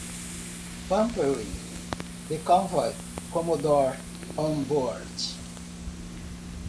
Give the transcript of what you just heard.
Pamperin, the convoy commodore, on board.